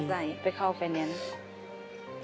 มอเตอร์ไซค์ไปเข้าไปเนี่ยนะ